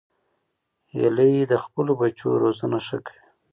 هیلۍ د خپلو بچو روزنه ښه کوي